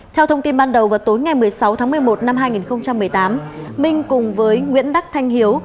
theo thông tin ban đầu vào tối ngày một mươi sáu tháng một mươi một năm hai nghìn một mươi tám minh cùng với nguyễn đắc thanh hiếu